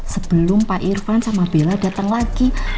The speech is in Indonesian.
sebelum pak irvan sama bella datang lagi